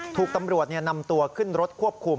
ถูกตำรวจนำตัวขึ้นรถควบคุม